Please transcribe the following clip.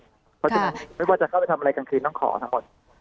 ค่ะไม่ว่าจะเข้าไปทำอะไรกลางคืนต้องขอทั้งหมด